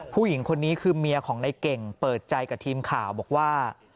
ผู้หญิงคนนี้คือเมียของในเก่งเปิดใจกับทีมข่าวบอกว่า